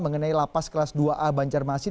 mengenai lapas kelas dua a banjarmasin